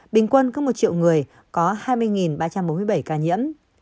bình quân có một triệu người có hai mươi ba trăm bốn mươi bảy ca nhiễm